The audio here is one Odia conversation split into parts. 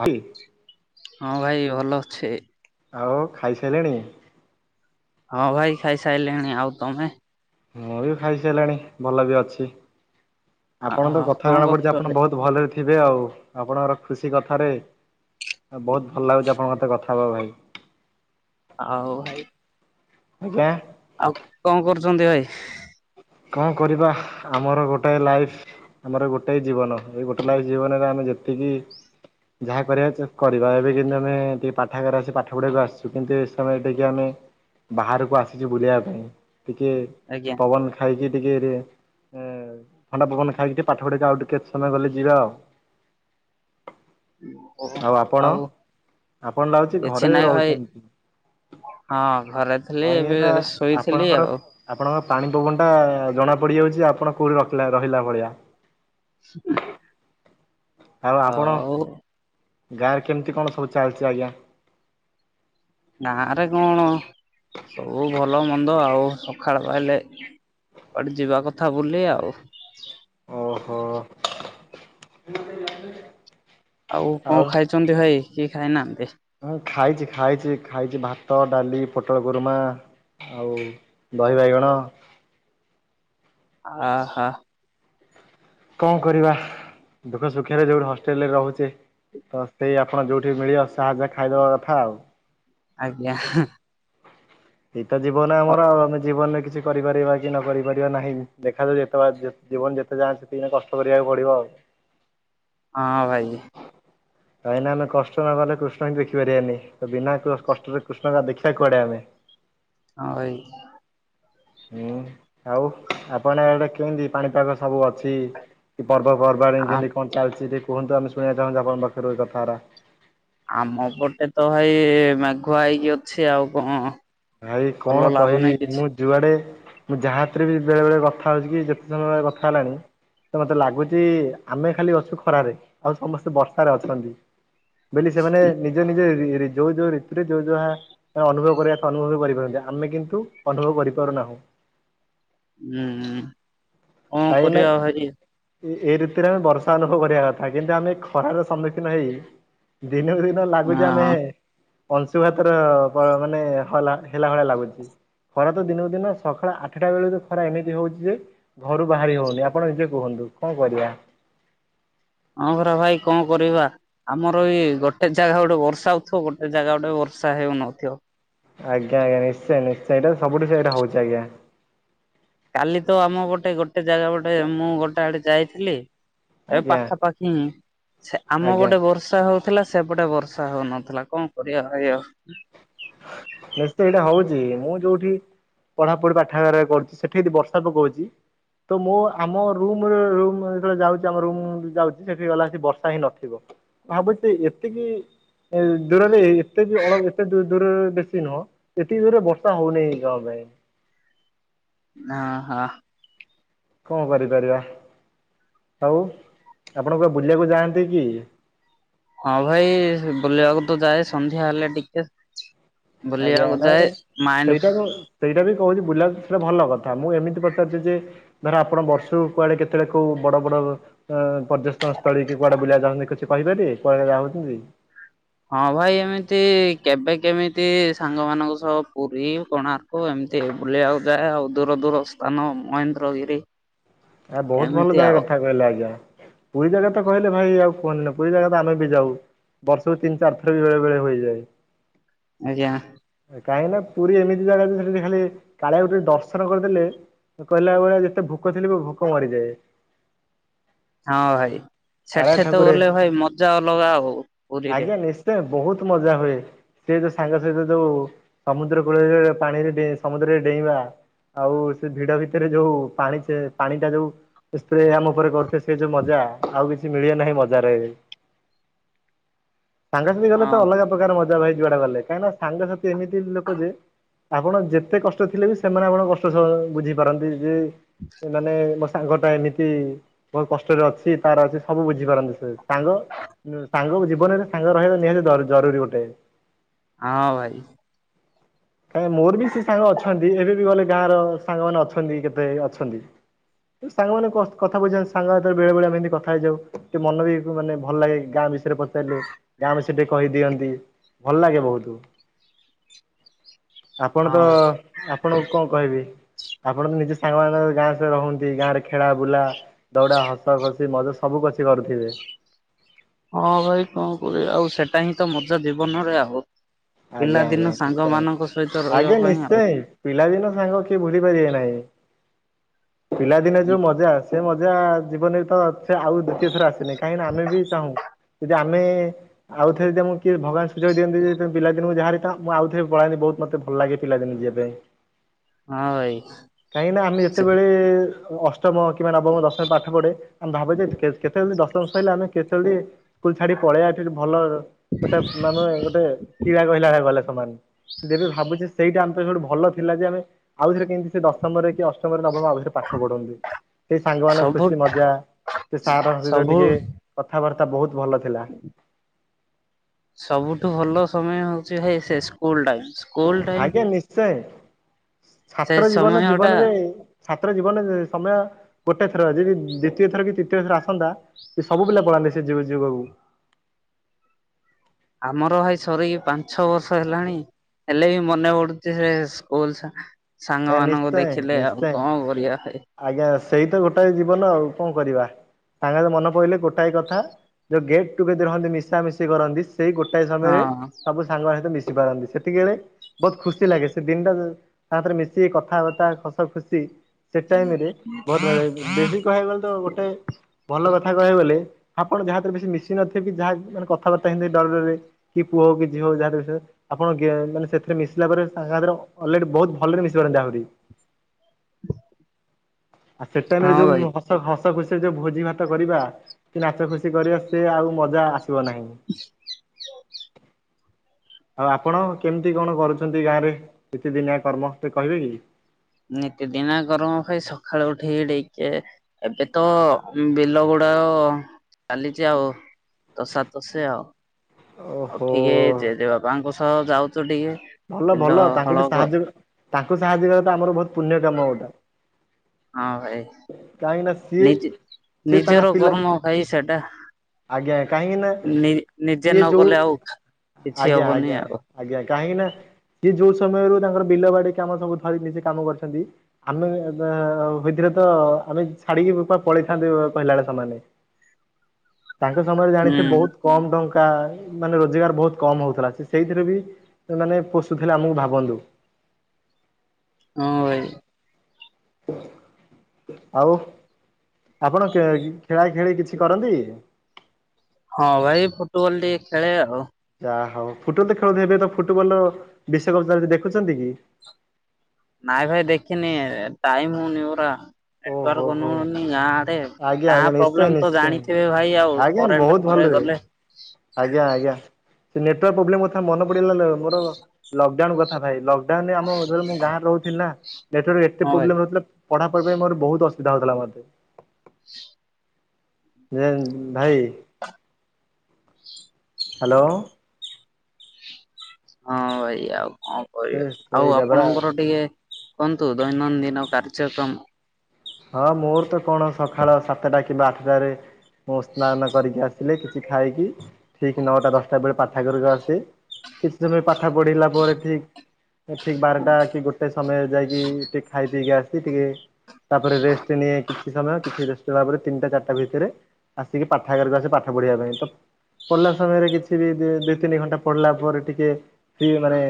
ଭାଇ ହଁ ଭାଇ ଭଲ ଅଛେ ଆଉ ଖାଇସାଇଲେଣି ହଁ ଭାଇ ଖାଇସାରିଲଣି ଆଉ ତମେ ମୁଁ ବି ଖାଇସାରିଲାଣି ଭଲ ବି ଅଛି। ଅ ଆପଣଙ୍କ କଥା କଣ ଜଣା କରୁଛ ପଡୁଛି ଆପଣ ଭାଇ? ବହୁତ ଭଲରେ ଥିବେ ଆଉ ଆପଣଙ୍କର। ଖୁସି କଥାରେ ବହୁତ ଭଲ ଲାଗୁଛି ଆପଣଙ୍କ ସହିତ କଥା ହେବାକୁ ଭାଇ। ଆଉ ଭାଇ। ଆଜ୍ଞା। ଆଉ କଣ କରୁଛନ୍ତି ଭାଇ। କଣ କରିବା ଆମର ଗୋଟାଏ ଲାଇଫ ଆମର ଗୋଟାଏ ଜୀବନ ଏଇ ଗୋଟେ ଲାଇଫ ଜୀବନରେ ଆମେ ଯେ ତିକି। ଯାହା କରିବାର ଅଛି କରିବା ଏବେ କିନ୍ତୁ ଆମେ ଟିକେ ପାଠାଗାର ଅଛି ଆମେ ପାଠ ପଢିବାକୁ ଆସିଛୁ କିନ୍ତୁ ଏ ସମୟରେ ଟିକେ ଆମେ। ବାହାରକୁ ଆସିଛୁ ବୁଲିବା ପାଇଁ ଟିକେ। ଆଜ୍ଞା କନ୍ ଖଇକି ଟିକେ ରେ ଏଁ - ଥଣ୍ଡା ପବନ ଖାଇକି ଟିକେ ପାଠ ପଢିବାକୁ ଆଉ ଟିକେ କେତେ ସମୟ ଗଲେ ଯିବା ଆଉ। ଓ ଆଉ ଆପଣ ଆପଣ ନାଗୁଛି କିଛି ଘରେ ନାଇଁ ଭାଇ ରହୁଛନ୍ତି। ହଁ ଘରେ ଥିଲି କାଇଁ କି ଏବେ ନା ଶୋଇଥିଲି ଆପଣଙ୍କର ଆଉ ଆପଣଙ୍କ। ପାଣି ପବନ ଟା ଜଣା ପଡିଯାଉଛି ଆପଣ କୋଉଠି ରଖିଲା ରହିଲା ଭଳିଆ। ଆଉ ଆପଣ ଆଁ ଉ। ଗାଁରେ କେମିତି କଣ ସବୁ ଚାଲିଛି ଆଜ୍ଞା। ଗାଁ ରେ କଣ ସବୁ। ଭଲ ମନ୍ଦ ଆଉ ସକାଳ ପାଇଲେ କୁଆଡେ ଯିବା କଥା ବୁଲି ଆଉ। ଓହୋ। ଆଉ କଣ ଖାଇଛନ୍ତି ଭାଇ କି ଖାଇ ନାହାନ୍ତି। ହଁ ଖାଇଛି ଖାଇଛି ଖାଇଛି ଭାତ ଡାଲି ପୋଟଳ କୁରୁମା। ଆଉ ଦହି ବାଇଗଣ। ଆ ହା। କଣ କରିବା ଦୁଃଖ ସୁଖରେ ଯୋଉଠି ହଷ୍ଟେଲରେ ରହୁଛି। ତ ସେଇ ଆପଣ ଯୋଉଠି ମିଳିବ ସାହା ଜା ଖାଇଦବା କଥା ଆଉ। ଆଜ୍ଞା ହେଁ। ଏଇତ ଜୀବନ ଆମର ଆଉ ଆମେ ଜୀବନରେ କିଛି। କିଛି କରିପାରିବା କି ନ କରିପାରିବା ନାହିଁ ଦେଖା ଯାଉ ଯେପ ଜୀବନ ଯେତେ ଯାକେ ଅଛି। ସେତିକି ଦିନି କଷ୍ଟ କରିବାକୁ ପଡିବ ଆଉ। ହଁ ଭାଇ। କାହିଁକି ନା ଆମେ କଷ୍ଟ ନ କଲେ କୃଷ୍ଣ ବି ଦେଖି ପାରିବାନି ତ ବିନା କ୍ର- କଷ୍ଟରେ କୃଷ୍ଣ ଟା ଦେଖିବା କୁଆଡ଼େ ଆମେ। [inaudible] ହଁ ଭାଇ। ହୁଁ ଆଉ ଆପଣ ଆଡ଼େ କେମିତି ପାଣିପାଗ ସବୁ ଅଛି। ପର୍ବ ପର୍ବାଣି ଆ କେମତି କଣ ଚାଲିଛି ଟିକେ କୁହନ୍ତୁ ଆମେ ଶୁଣିବା ଚାହୁଁଛୁ ଆପଣଙ୍କ ପାଖରୁ ଏ କଥାଗୁରା। ଆମ ପଟେ ତ ଭାଇ ମେଘୁଆ ହେଇକି ଅଛି ଆଉ କଣ। ଭାଇ ଭଲ କଣ କହିବି ଲାଗୁନି କିଛି। ମୁଁ ଯୁଆଡ଼େ। ମୁଁ ଯାହା ଥିରେ ବି ବେଳେ ବେଳେ କଥା ହଉଛି କି ଯେତେ ସମୟ ହେଲା କଥା ହେଲାଣି। ତ ମତେ ଲାଗୁଛି ଆମେ ଖାଲି ଅଛୁ ଖରାରେ ଆଉ ସମସ୍ତେ ବର୍ଷାରେ ଅଛନ୍ତି। ବେଲି ସେମାନେ ନିଯେ ନିଯେ ରି -ରି ଯୋଉ ଯୋଉ ରିତୁରେ ଯୋଉ ଯାହା ଅନୁଭବ କରିବା କଥା। ଅନୁଭବ କରିପାରନ୍ତି ଆମେ କିନ୍ତୁ ଅନୁଭବ କରିପାରୁନାହୁଁ। ହୁଁ କଣ କରିବା ଆଉ ଭାଇ। ଏଇ ରିତୁରେ ଆମେ ବର୍ଷା ଅନୁଭବ କରିବା କଥା କିନ୍ତୁ ଆମେ ଖରାର ସମ୍ମୁଖୀନ ହେଇ। ଦିନକୁ ଦିନ ଲାଗୁଚ ଆମେ। ହଁ ଅଂଶୁଘାତର ମାନେ ବ - ହଲା ହେଲା ଭଳି ଲାଗୁଛି। ଖରା ତ ଦିନକୁ ଦିନ ସକାଳ ଆଠଟା ବେଳୁକୁ ଖରା ଏମିତି ହଉଛି ଯେ। ଘରୁ ବାହାରି ହଉନି ଆପଣ ନିଜେ କୁହନ୍ତୁ କଣ କରିବା। ହଁ ପରା ଭାଇ କଣ କରିବା ଆମର ଇଏ ଗୋଟେ ଜାଗା ଗୋଟେ ବର୍ଷା ହଉଥିବ ଗୋଟେ ଜାଗା ଗୋଟେ ବର୍ଷା। ବର୍ଷା ହେଉନଥିବ। ଆଜ୍ଞା ଆଜ୍ଞା ନିଶ୍ଚୟ ନିଶ୍ଚୟ ଏଇଟା ତ ସବୁଠି ସେଇଟା ହଉଛି ଆଜ୍ଞା। କାଲି ତ ଆମ ଗୋଟେ ଗୋଟେ ଜାଗା ଗୋଟେ ମୁଁ ଗୋଟେ [unintelligible] ଏ ଆଜ୍ଞା ପାଖାପାଖି ହୁଁ ସେ ଆମ ଆଜ୍ଞା। ପଟେ ବର୍ଷା ହଉ ଥିଲା ସେପଟେ ବର୍ଷା ହଉନଥିଲା। କଣ କରିଆ ଭାଇ ଆଉ। ନିଶ୍ଚୟ ଏଇଟା ହଉଚି। ମୁଁ ଯୋଉଠି ପଢ଼ାପଢି଼ ପାଠାଗାରରେ କରୁଚି ସେଠି ଯଦି ବର୍ଷା ପକଉଚି ତ ମୁଁ ଆମ ରୁମର ରୁମ ଯେତେବେଳେ ଯାଉଛି ଆମ ରୁମ ଯାଉଛି ସେଠିକି ଗଲା ସି ବର୍ଷା ହିଁ ନଥିବ। ଭାବୁଛି ଏତକି ଦୂରରେ ଏତେ ବି ଅଳ ଏତେ। [unintelligible] ଦୂରରେ ବେଶୀ ନୁହଁ। ଏତିିକି ଜୋରରେ ବର୍ଷା ହଉନାଇ କଣ ପାଇଁ। ହାଁ ହାଁ। କଁ କରିପାରିବା। ହଉ ଆପଣ କୁଆଡେ ବୁଲିଆକୁ ଯାଆନ୍ତି କି? ହଁ ଭାଇ ବୁଲିଆକୁ ତ ଯାଏ ସନ୍ଧ୍ୟା ହେଲେ ଟିକେ। ଆଜ୍ଞା ବୁଲିବାକୁ ଯାଏ ନାଇଁ ମାଇଣ୍ଡ ସେଇଟାକୁ ସେଇଟା ବି କହୁଚି ବୁଲା ସେଇଟା ଭଲ କଥା। ମୁଁ ଏମିତି ପଚାରୁଛି ଯେ ଧର ଆପଣ ବର୍ଷକୁ କୁଆଡେ କେତେବେଳେ କୋଉ ବଡ଼ ବଡ଼ ଅଁ ପର୍ଯ୍ୟଟନ ସ୍ଥଳୀକି କୁଆଡ଼େ ବୁଲିଆକୁ [unintelligible] ଛନ୍ତି କିଛି କହିପାରିବେ କୁଆଡ଼େ ଯାଉଛନ୍ତି? ହଁ ଭାଇ ଏମିତି କେବେ କେମିତି ସାଙ୍ଗମାନଙ୍କ ସହ ପୁରୀ, କୋଣାର୍କ ଏମ ତି ବୁଲିଆକୁ ଯାଏ ଆଉ। ଦୂର ଦୂର ସ୍ଥାନ ମହେନ୍ଦ୍ରଗିରି ଆ ବହୁତ ଭଲ ଏମିତି ଜାଗା ଆଉ କଥା କହିଲେ ଆଜ୍ଞା। ପୁରୀ ଜାଗା ତ କହିଲେ ଭାଇ ଆଉ କୁହନି ନା ପୁରୀ ଜାଗା ତ ଆମେ ବି ଯାଉ ବର୍ଷକୁ ତିନି ଚାର ଥର ବି ବେଳେ ବେଳେ ହୋଇଯାଏ। ଆଜ୍ଞା। କାହିଁକି ନା ପୁରୀ ଏମିତି ଜାଗା ଯେ ସେଠି ଯେ ଖାଲି କାଳିଆକୁ ଟିକେ ଦର୍ଶନ କରିଦେଲେ କହିଲା ଭଳିଆ ଯେତେ ଭୋକ ଥିଲେ ବି ଭୋକ ମରିଯାଏ। ହଁ ଭାଇ। କାଳିଆ ସେଠି ତ ଠାକୁରେ ଗଲେ ଭାଇ ମଜା ଅଲଗା ହଉ ପୁରୀରେ। ଆଜ୍ଞା ନିଶ୍ଚୟ ବହୁତ ମଜା ହୁଏ ସେ ଯୋ ସାଙ୍ଗ ସହିତ ଯୋଉ ସମୁଦ୍ର କୂଳରେ ପାଣିରେ ଡେଁ ସମୁଦ୍ରରେ ଡେଇଁବା ଆଉ ସେ ଭିଡ ଭିତେରେ ଯୋଉ ପାଣି ସେ ପାଣି ଟା ଯୋଉ ସ୍ପ୍ରେ ଆମ ଉପରେ କରୁଥିବେ ସେ ଯୋଉ ମଜା ଆଉ କିଛି ମିଳିବ ନାହିଁ ମଜାରେ। ସାଙ୍ଗସାଥି ଗଲେ ହଁ ତ ଅଲଗା ପ୍ରକାର ମ ଜା ଭାଇ ଯୁଆଡେ ଗଲେ କାହିଁକିନା ସାଙ୍ଗସାଥି ଏମିତି ଲୋକ ଯେ ଆପଣ ଯେତେ କଷ୍ଟରେ ଥିଲେ ବି ସେମାନେ ଆପଣଙ୍କ କଷ୍ଟ ସମ ବୁଝିପାରନ୍ତି ଯେ ଯେ [inaudible] ମୋ ସାଙ୍ଗ ଟା ଏମିତି ବହୁତ କଷ୍ଟରେ ଅଛି ତାର ଅଛି ସବୁ ବୁଝିପାରନ୍ତି ସେ ସାଙ୍ଗ ସାଙ୍ଗକୁ ଜୀବନରେ ସାଙ୍ଗ ରହିବା ନିହାତି ଦ ଜରୁରୀ ଗୋଟେ। ହଁ ଭାଇ। କାଇଁ ମୋର ବି ସେ ସାଙ୍ଗ ଅଛନ୍ତି ଏବେ ବି ଗଲେ ଗାଁର ସାଙ୍ଗମାନେ ଅଛନ୍ତି କେତେ ଅଛନ୍ତି ସାଙ୍ଗମାନେ କ-କଥା ବୁଝନ୍ତି। ସାଙ୍ଗସାଥିରେ ବେଳେ ବେଳେ ଆମେ ଏମିତି କଥା ହେଇଯାଉ ମନ ବି ମାନେ ଭଲ ଲାଗେ ଗାଁ ବିଷୟରେ ପଚାରିଲେ ଗାଁ ବିଷୟରେ ଟିକେ କହିଦିଅନ୍ତି ଭଲ ଲାଗେ ବହୁତୁ। ଆପଣ ତ ହଁ ଭାଇ ଆପଣଙ୍କୁ କଣ କହିବି ଆପଣ ତ ନିଜେ ସାଙ୍ଗ ମାନ ଗାଁ ସ ରହୁନ୍ତି ଗାଁରେ ଖେଳା ବୁଲା ଦୌଡା ହସ ଖୁସି ମଜା ସବୁ ବୁଝି ପାରୁଥିବେ। ହଁ ଭାଇ କଣ କରିଆ ଆଉ ସେଟା ହିଁ ତ ମଜା ଜୀବନରେ ଆଉ। ଆଜ୍ଞା ପିଲାଦିନ ଆଜ୍ଞା ସାଙ୍ଗ ନିଶ୍ଚୟ ମାନଙ୍କ ସହିତ ରହିବା ଆଜ୍ଞା ପାଇଁ ଆଉ ନିଶ୍ଚୟ ପିଲାଦିନ ସାଙ୍ଗ କିଏ ଭୁଲି ପାରିବେ ନାଇଁ ପିଲାଦିନେ ଯୋଉ ମଜା ସେ ମଜା ଜୀବନରେ ତ ସେ ଆଉ ଦ୍ଵୁତୀୟ ଥର ଆସନି କାହିଁକିନା ଆମେ ବି ଚାହୁଁ ଯଦି ଆମେ ଆଉ ଥରେ ଯଦି ଆମକୁ କିଏ ଭଗବାନ ସୁଯୋଗ ଦିଅନ୍ତିୁ ଯ ପିଲା ଦିନକୁ ଯାହାରି ମୁଁ ଆଉଥରେ ପଳାନ୍ତି ବହୁତ ମତେ ଭଲ ଲାଗେ ପିଲା ଦିନକୁ ଯିବା ପାଇଁ। ହଁ ଭାଇ କାହିଁକିନା ଆମେ ସେ ଯେତେବେଳେ ଅଷ୍ଟମ କିମ୍ବା ନବମ ଦଶମରେ ପାଠ ପଢେ ଆମେ ଭାବୁଛେ ଯେ କେ-କେତେବେଳେ ଦଶମ ସଇଲା ଆମେ କେତେବେଳେ ସ୍କୁଲ ଛାଡି ପଳେଇଆ ଏଠି ଭଲ ଗୋଟେ ମାନେ ଗୋଟେ [unintelligible] ସମାନ ଯେବେ ଭାବୁଛି ସେଇଟା ଆ ସୋଠୁ ଭଲ ଥିଲା ଯେ ଆମେ ଆଉଥରେ କେମତି ସେ ଦଶମରେ କି ଅଷ୍ଟ ଅଷ୍ଟମରେ ନବରେ ପାଠ ପଢନ୍ତି ସେଇ ସାଙ୍ଗ ମାନ ସବୁ ଖୁସି ମଜା ସେ ସାରଙ୍କ ସହିତ ସବୁ ଟିକେ କଥାବାର୍ତ୍ତା ବହୁତ ଭଲ ଥିଲା। ସବୁଠୁ ଭଲ ସମୟ ହୋଉଚି ଭାଇ ସେ ସ୍କୁଲ ଟାଇମ ସ୍କୁଲ ଟାଇମ ଆଜ୍ଞା ନିଶ୍ଚୟ। ସେ ଛାତ୍ର ଜୀବନ ସମୟ ଟା ଜୀବନରେ ଛାତ୍ର ଜୀବନରେ ସମୟ ଗୋଟେ ଥର ଯଦି ଦ୍ଵିତୀୟ ଥର କି ତୃତୀୟ ଥର ଆସନ୍ତା ସେ ସବୁପିଲାପଳାନ୍ତେ ସେ ଯୁ ଯୁଗକୁ ଆମର ଭାଇ ସରିକି ପାଞ୍ଚ ଛ ବର୍ଷ ହେଲାଣି ହେଲେ ବି ମନେ ପଡୁଛି ସେ ସ୍କୁଲ ସା ସାଙ୍ଗ ହେ ମାନଙ୍କୁ ନିଶ୍ଚୟ ଦେଖିଲେ ଆଉ ନିଶ୍ଚୟ। କଣ କରିବା ଭାଇ ଆଜ୍ଞା ସେଇ ତ ଗୋଟାଏ ଜୀବନ ଆଉ କଣ କରିବା ସାଙ୍ଗ ମନେ ପଡିଲଲେ ଗୋଟାଏ କଥା ଯୋଉ ଗେଟ୍ ଟୁଗେଦର ହନ୍ତି ମିଶାମ ମିଶି କରନ୍ତି ସେଇ ଗୋଟାଏ ସମୟରେ ହଁ ସବୁ ସାଙ୍ଗ ସହିତ ମିଶ ପାରନ୍ତି ସେତିକି ବେଳେ ବହୁତ ଖୁସି ଲାଗେ ସେ ଦିନଟା ତାରେ ମିଶ ସେ କଥାବାର୍ତ୍ତା ହସ ଖୁସି ସେ ଟାଇମ ରେ ବହୁତ ଯଦି କହିବାକୁ ଗଲେ ତ ଗୋଟେ ଭଲ କଥା କହିବେ ବଲେ ଆପଣ ଯାହାଥିରେ ବେଶୀ ମିଶି ନଥିବ କି ଯାହା ମାନେ କଥାବାର୍ତ୍ତା ହେଇେ ଡର ଡରରେ କି ପୁଅ ହଉ କି ଝିଅ ଯାହା ବିଷ ଆପଣ ମାନ ସେଥିରେ ମିଶିଲା ପରେ ଅଲରେଡି ବହୁତ ଭଲରେ ମି [unintelligible] ଆଉ ସେ ଟାଇମ ରେ ହଁ ଭାଇ। ଯୋଉ ହସ ନାଚ ଖୁସିରେ ଯୋଉ ଭୋଜି ଭାତ କରିବା କି ନାଚ ଖୁସି କରିବା ସେ ଆଉ ମଜା ଆସିବ ନାହିଁ। ଆଉ ଆପଣ କେମିତି କଣ କରୁଛନ୍ତି ଗାଁରେ ନିତିଦିନିଆ କର୍ମ ସେ କହିବେ କି? ନିତିଦିିନିଆ କରମ ଖାଇ ସକାଳୁ ଉଠେକି ଟିକେ ଏବେ ତ ବିଲ ଗୋଡ ଅ ଚାଲିଛି ଆଉ ତସା ତସି ଆଉ ଆଉ ଓହୋ। ଟିକେ ଜେଜେବାପାଙ୍କ ସହ ଯାଉଚୁ ଟିକେ ଭଲ ବିଲ ଭଲ ହଳ ତାଙ୍କୁ ଟେ କ ସାହାଯ୍ୟ ତାଙ୍କୁ ସାହାଯ୍ୟ କରିବାଟା ଆମର ବହୁତ ପୁଣ୍ୟ କାମ ଗୋଟେ ହଁ ଭାଇ ନିଜ ସିଏ ତାଙ୍କ ନିଜର ପିଲା କର୍ମ ଭାଇ ସେଟା ଆଜ୍ଞା କାହିଁକି ନା ନି ନିଜେ ସିଏ ନ ଯୋଉ କଲେ ଆଉ କିଛି ଆଜ୍ଞା ହବନି ଆଜ୍ଞା ଆଉ ଆଜ୍ଞା କାହିଁକି ନା ସିଏ ଯୋଉ ସମୟରୁ ତାଙ୍କର ବିଲ ବାଡିକି ଆମର ସବୁ ଧରି ମିଶି କାମ କରୁଛନ୍ତି ଆମେ ଭଥିରେ ତ ଆମେ ଛାଡିକିପା ପଳେଇଥାନ୍ତି କହିଲା ବେଳେ ସେମାନେ ତାଙ୍କ ସମୟରେ ଜାଣିଛେ ହୁଁ। ବହୁତ କମ ଟଙ୍କା ମାନେ ରୋଜଗାର ବହୁତ କମ ହଉଥିଲା ସେ ସେଇଥିରୁ ବି ମାନେ ପୋଷୁଥିଲେ ଆମକୁ ଭାବନ୍ତୁ ହଁ ଭାଇ। ଆଉ ଆପଣ କେ ଖେଳା ଖେଳି କିଛି କରନ୍ତି? ହଁ ଭାଇ ଫୁଟବଲ ଟିକେ ଖେଳେ ଆଉ। ଆ ହଉ ଫୁଟବଲ ତ ଖେଳ ହେବେ ତ ଫୁଟବଲ ବିଶ୍ୱକପ୍ ଚାଲ ଦେଖୁଛନ୍ତି କି? ନାଇଁ ଭାଇ ଦେଖିନି ଟାଇମ ହୋଉନି ପରା ଓହୋ ହୋ ନଟାର୍ନଉନି ଗାଁ ଆଡେ ଆଜ୍ଞା ଗାଁ ଆଜ୍ଞା ନିଶ୍ଚୟ ପ୍ରୋବ୍ଲେମ ତ ନିଶ୍ଚୟ ଜାଣିଥିବେ ଭାଇ ଆଉ ଆଜ୍ଞା ପରୋ ବହୁତ ଥରେ ଭଲରେ ଗଲେ ଆଜ୍ଞା ଆଜ୍ଞା। ସେ ନେଟାର୍ ପ୍ରୋବ୍ଲେ କଥା ମନ ପଡିଲା ମର ଲକ୍ଡାଉନ କଥା ଭାଇ ଲ ତାହାଲେ ଆମ ଯୋଉଠି ମୁଁ ଗାଁରେ ରହୁଥିଲ ନା ନେଟୱାର୍କ ଏତେ ହଁ ଭାଇ। ପ୍ରୋବ୍ଲେମ ରହୁଥିଲା ପଢ଼ା ପଢ଼ ପାଇଁ ମୋର ବହୁତ ଅସୁବିଧା ହୋଉଥିଲା ମୋତେ ଯେ ଭାଇ ହାଲୋ। ହଁ ଭାଇ ଆଉ କଣ ସେ କରିବା ଆଉ ସେଇଟା ପରା ଆପଣଙ୍କର ଟିକେ କୁହନ୍ତୁ ଦୈନନ୍ଦିନ କାର୍ଯ୍ୟକ୍ରମ। ହଁ ମୋର ତ କଣ ସକାଳ ସାତଟା କିମ୍ବା ଆଠଟାରେ ମୁଁ ସ୍ନାନ କରିକି ଆସିଲେ କିଛି ଖାଇକି ଠିକ୍ ନଅଟା ଦଶଟା ବେଳେ ପାଠାଗାରକୁ ଆସେ କିଛି ସମୟ ପାଠ ପଢିଲା ପରେ ଠିକ ଠିକ ବାରଟା କି ଗୋଟେ ସମୟ ଯାଇକି ଟିକେ ଖାଇ ଦେଇକି ଆସ ଟିକେ ତାପରେ ରେଷ୍ଟ ନିଏ। କିଛି ସମୟ କିଛି ଭାବରେ ତିନିଟା ଚାରିଟା ଭିତରେ ଆସିକି ପାଠ ଆଗାରକୁ ଆସେ ପାଠ ପଢିବା ପାଇଁ ତ ପଢିଲା ସମୟରେ କିଛି ବି ଦି ତିନି ଘଣ୍ଟା ପଢିଲା ପରେ ଟିକେ ଫି ମାନେ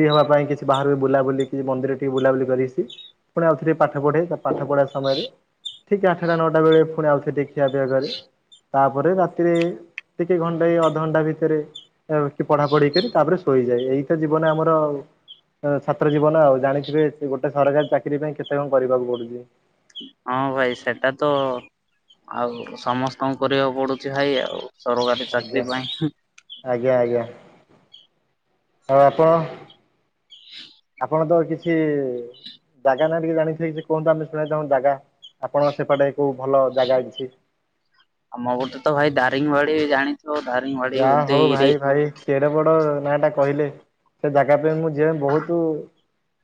ହବା ପାଇଁ କିଛି ବାହାରୁ ବୁଲାବୁଲି କିଛି ମନ୍ଦିରରେ ଟିକେ ବୁଲାବୁଲି କରିକି ପୁଣି ଆଉଥରେ - ପାଠ ପଢେ ତା ପାଠ ପଢିବା ସମୟରେ ଠିକ ଆଠଟା ନଅଟା ବେଳେ ପୁଣି ଆଉଥରେ ଖିଆ ପିଆ କରେ ତାପରେ ରାତିରେ ଟିକେ ଘଣ୍ଟା ଅଧଘଣ୍ଟା ଭିତରେ କି ପଢା ପଢି କରି ତାପରେ ଶୋଇଯାଏ ଏଇଟା ଜୀବନ ଆମର। ଛାତ୍ର ଜୀବନ ଆଉ ଜାଣିଥିବେ ଗୋଟେ ସରକାରୀ ଚାକିରି ପାଇଁ କେତେ କଣ କରିବାକୁ ପଡୁଛି। ହଁ ଭାଇ ସେଟା ତ ଆଉ ସମସ୍ତଙ୍କୁ କରିବାକୁ ପଡୁଛି ଭାଇ ଆଉ। ସରକାରୀ ଆଜ୍ଞା ଚାକିରି ପାଇଁ -ଆଜ୍ଞା -ଆଜ୍ଞା। ଆଉ ଆପଣ ଆପଣ ତ କିଛି ଜାଗା ନାହି ଟିକେ ଜାଣିଥିବ କି କୁହନ୍ତୁ ଆମେ ଶୁଣେଇଥା ଜାଗା ଆପଣଙ୍କ ସେପଟେ କୋଉ ଭଲ ଜାଗା ଅଛି? ଆମ ପଟେ ତ ଭାଇ ଦାରିଙ୍ଗି ବାଡ଼ି ଜାଣି ଯା ହଉ ଭାଇ ଭାଇ କେଡେ ବଡ ନାଁ ଟା କହିଲେ ସେ ଜାଗା ପାଇଁ ମୁଁ ଯେ ବହୁତ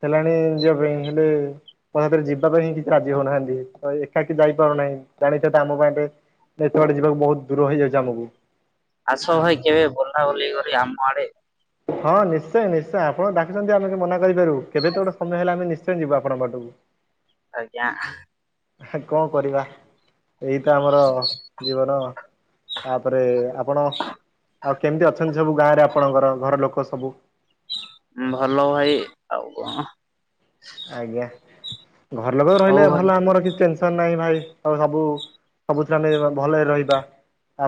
ହେଲାଣି ଯିବା ପାଇଁ ହେଲେ ମରେ ଯିବା ପାଇଁ ହିଁ କିଛି ରାଜି ହଉନାହାନ୍ତି ତ ଏକାକି ଯାଇପାରୁନାହିଁ ଜାଣିଚ ତ ଆମ ପାଇଁ ଏତେବାଟ ଯିବାକୁ ବହୁତ ଦୂର ହେଇଯାଉଛି ଆମକୁ। ଆସ ଭାଇ କେବେ ବୁଲାବୁଲି କରି ଆମ ଆଡେ ହଁ ନିଶ୍ଚୟ ନିଶ୍ଚୟ ଆପଣ ଡାକୁଛନ୍ତି ଆମେ ମନା କରିପାରିବୁ କେବେତ ଗୋଟେ ସମୟ ହେଲା ଆମେ ନିଶ୍ଚ ଯିବ ଆପଣଙ୍କ ଆଡୁ ଆଜ୍ଞା। କଣ କରିବା ଏଇ ତ ଆମର ଜୀବନ। ତାପରେ ଆପଣ ଆଉ କେମିତି ଅଛନ୍ତି ସବୁ ଗାଁ ରେ ଆପଣଙ୍କର ଘର ଲୋକ ସବୁ? ଭଲ ଭାଇ ଆଉ କଣ? ଆଜ୍ଞା। ଘର ଲୋକ ହଉ ରହିଲେ ଭାଇ ଭଲ ଆମର କିଛି ଟେନ୍ ନାଇଁ ଭାଇ ଆଉ ସବୁ ସବୁଥିରେ ଆମେ ଭଲରେ ରହିବା।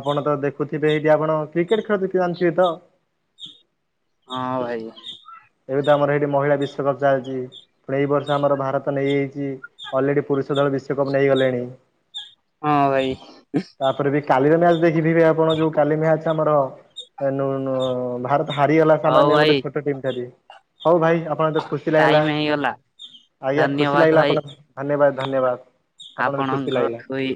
ଆପଣ ତ ଦେଖୁଥିବେ ଏଇଠି ଆପଣ କ୍ରିକେଟ ଖେଳ ଦେଖି ଯାନ୍ତି ତ? ହଁ ଭାଇ ଏବେ ତ ଆମର ଏଇଠି ମହିଳା ବିଶ୍ଵକପ୍ ଚାଲିଛି। ପୁଣି ଏଇ ବର୍ଷ ଆମର ଭାରତ ନେଇଯାଇଛି ଅଲରେଡି ପୁରୁଷ ଦଳ ବିଶ୍ଵକପ୍ ନେଇଗଲେଣି। ହଁ। ଭାଇ ତାପରେ ବି କାଲିର ମ୍ୟାଚ ଦେଖିଥିବେ ଆପଣ ଯୋଉଁ କାଲି ମ୍ୟାଚ ଆମର ଭାରତ ହାରିଗଲା ହଉ ସାମାନ୍ୟ ଭାଇ ଗୋଟେ ଛୋଟ ଟିମ୍ ଠାରୁ। ହଉ ଭାଇ ଆପଣ ତ ଖୁସି ଲାଗିଲା ଟାଇମ ହେଇଗଲା ଆଜ୍ଞା ଖୁସି ଧନ୍ୟବାଦ ଲାଗିଲା ଆପଣ ଧନ୍ୟବାଦ। ଧନ୍ୟବାଦ। ଖୁସି ଆପଣଙ୍କ ଲାଗିଲା। ଠୁଇ